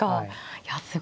いやすごいな。